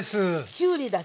きゅうりだけです。